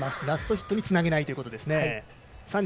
ラストヒットにつなげないということですね。